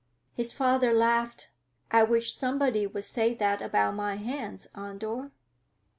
His father laughed. "I wish somebody would say that about my hands, Andor."